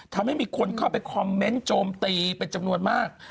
ทำให้มีคนเข้าไปคอมเมนต์โจมตีเป็นจำนวนมาก